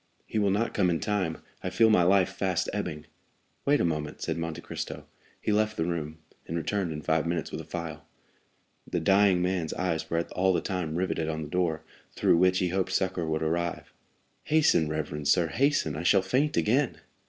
"He will not come in time; I feel my life fast ebbing." "Wait a moment," said Monte Cristo. He left the room, and returned in five minutes with a phial. The dying man's eyes were all the time riveted on the door, through which he hoped succor would arrive. "Hasten, reverend sir, hasten! I shall faint again!"